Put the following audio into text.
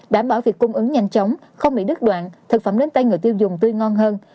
đảm bảo việc cung ứng nhanh chóng không bị đứt đoạn thực phẩm đến tay người tiêu dùng tươi ngon hơn